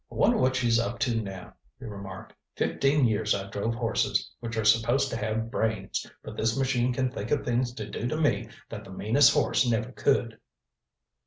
"I wonder what she's up to now?" he remarked. "Fifteen years I drove horses, which are supposed to have brains, but this machine can think of things to do to me that the meanest horse never could."